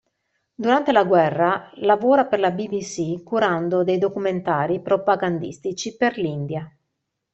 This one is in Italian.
Durante la guerra lavora per la BBC curando dei documentari propagandistici per l'India.